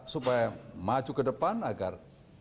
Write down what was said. supaya maju ke depan agar